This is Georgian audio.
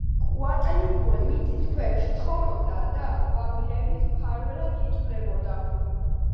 კოატლიკუე მიწის ქვეშ ცხოვრობდა და ყვავილების მფარველად ითვლებოდა.